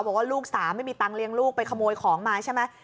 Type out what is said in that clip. บอกว่าลูกสาวไม่มีตังค์เลี้ยงลูกไปขโมยของมาใช่ไหม